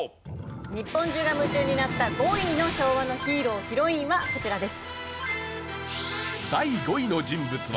日本中が夢中になった５位の昭和のヒーロー＆ヒロインはこちらです。